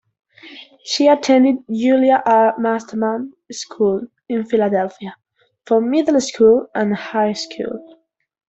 She attended Julia R. Masterman School in Philadelphia, for middle school and high school.